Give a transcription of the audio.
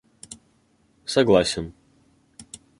согласен